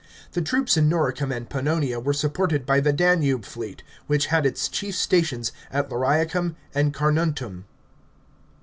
The troops in Noricum and Pannonia were supported by the Danube fleet, which had its chief stations at Lauriacum and Carnuntum.